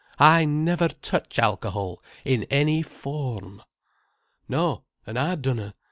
I never touch alcohol in any form." "No, an' I dunna.